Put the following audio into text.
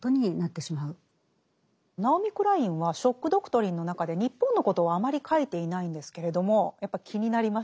ナオミ・クラインは「ショック・ドクトリン」の中で日本のことをあまり書いていないんですけれどもやっぱり気になりますよね。